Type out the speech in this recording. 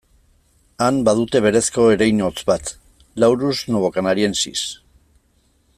Han badute berezko ereinotz bat, Laurus novocanariensis.